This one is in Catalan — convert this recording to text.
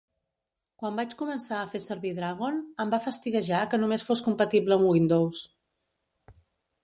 Quan vaig començar a fer servir Dragon, em va fastiguejar que només fos compatible amb Windows.